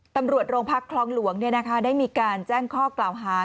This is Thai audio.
ตำรวจโรงพักคลองหลวงได้มีการแจ้งข้อกล่าวหา